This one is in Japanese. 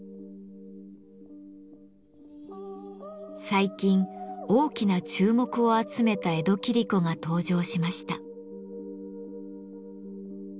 最近大きな注目を集めた江戸切子が登場しました。